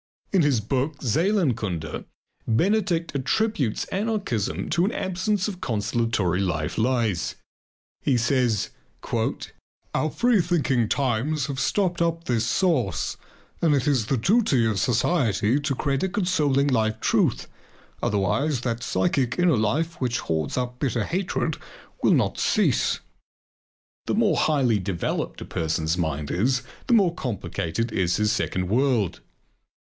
In his book "Seelenkunde," Benedict attributes anarchism to an absence of consolatory life lies. He says: "Our free thinking times have stopped up this source and it is the duty of society to create a consoling life truth, otherwise that psychic inner life which hoards up bitter hatred will not cease." The more highly developed a person's mind is, the more complicated is his second world.